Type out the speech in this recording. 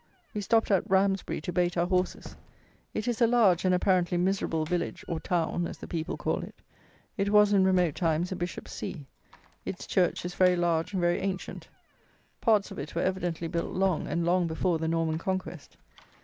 We stopped at Ramsbury, to bait our horses. It is a large, and, apparently, miserable village, or "town" as the people call it. It was in remote times a Bishop's See. Its church is very large and very ancient. Parts of it were evidently built long and long before the Norman Conquest.